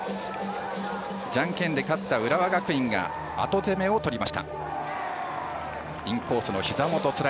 じゃんけんで勝った浦和学院が後攻めをとりました。